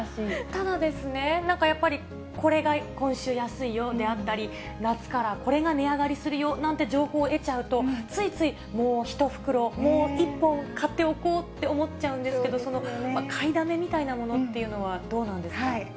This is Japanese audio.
ただですね、なんかやっぱり、これが今週安いよであったり、夏からこれが値上がりするよなんて情報を得ちゃうと、ついつい、もう１袋、もう１本買っておこうって思っちゃうんですけど、買いだめみたいなものっていうのは、どうなんですか。